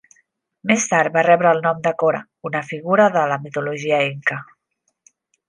Més tard va rebre el nom de Cora, una figura de la mitologia inca.